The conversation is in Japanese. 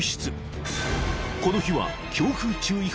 ［この日は］